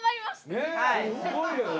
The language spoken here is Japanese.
すごいよね！